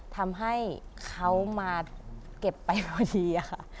ทำให้เขามาเก็บไปพอดีค่ะ